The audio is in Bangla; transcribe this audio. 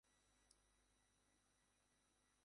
তিনি বলেন তার পিতা পার্শবর্তি ফার্মের কোন দাস ছিলেন।